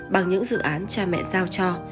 bằng những dự án cha mẹ giao cho